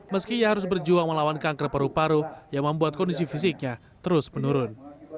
meski ia harus berjuang melawan kanker paru paru yang membuat kondisi fisiknya terus menurun